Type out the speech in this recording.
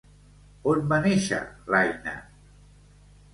On va néixer l'Aina?